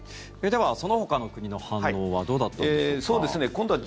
ではそのほかの国の反応はどうだったんでしょうか。